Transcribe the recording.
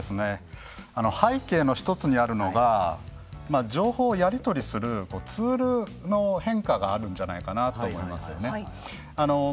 背景の１つにあるのが情報をやり取りするツールの変化があるんじゃないかと思いますね。